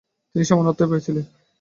তিনি সামান্য অর্থই পেয়েছিলেন।